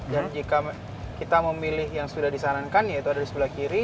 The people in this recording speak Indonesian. jadi jika kita memilih yang sudah disarankan yaitu ada di sebelah kiri